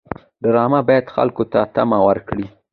ډرامه باید خلکو ته تمه ورکړي